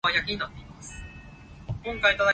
山水豆腐花